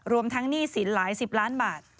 รวมทั้งหนี้สินหลาย๑๐บาท